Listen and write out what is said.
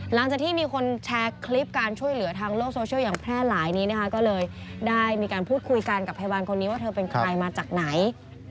หลังจากที่มีคนแชร์คลิปการช่วยเหลือทางโลกโซเชียลอย่างแพร่หลายนี้นะคะก็เลยได้มีการพูดคุยกันกับพยาบาลคนนี้ว่าเธอเป็นใครมาจากไหน